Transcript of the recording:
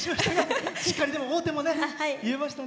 しっかり「王手！」も言えましたね。